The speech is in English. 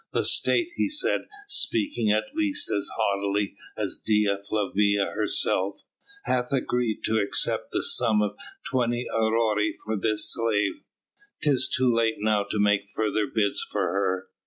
"The State," he said, speaking at least as haughtily as Dea Flavia herself, "hath agreed to accept the sum of twenty aurei for this slave. 'Tis too late now to make further bids for her."